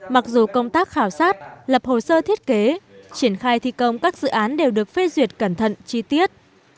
mặc dù công tác khảo sát lập hồ sơ thiết kế triển khai thi công các dự án đều được phê duyệt cẩn thận chi tiết